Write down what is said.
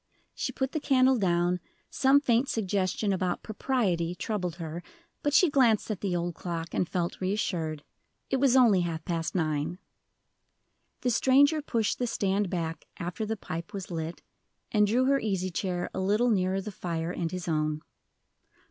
She put the candle down; some faint suggestion about "propriety" troubled her, but she glanced at the old clock, and felt reassured. It was only half past nine. The stranger pushed the stand back after the pipe was lit, and drew her easy chair a little nearer the fire, and his own.